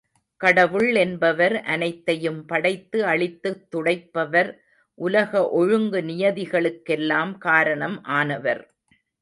கடவுள் என்பவர் அனைத்தையும் படைத்து அளித்துக் துடைப்பவர், உலக ஒழுங்கு, நியதிகளுக்கெல்லாம் காரணம் ஆனவர்.